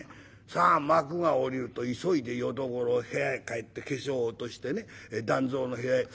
さあ幕が下りると急いで淀五郎部屋へ帰って化粧落としてね団蔵の部屋へ。